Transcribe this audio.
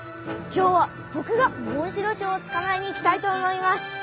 今日はぼくがモンシロチョウをつかまえに行きたいと思います。